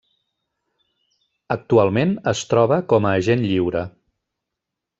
Actualment es troba com a agent lliure.